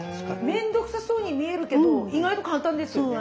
めんどくさそうに見えるけど意外と簡単ですよね。